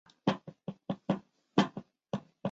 他积极参与封建混战。